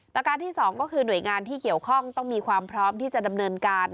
ประการที่๒ก็คือหน่วยงานที่เกี่ยวข้องต้องมีความพร้อมที่จะดำเนินการ